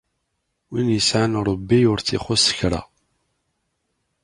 Win yesɛan Rebbi, ur t-ixuṣ kra.